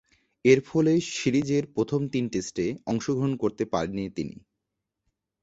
এরফলে সিরিজের প্রথম তিন টেস্টে অংশগ্রহণ করতে পারেননি তিনি।